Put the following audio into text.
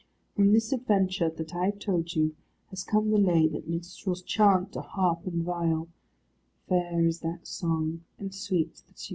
From this adventure that I have told you, has come the Lay that minstrels chant to harp and viol fair is that song and sweet the tune.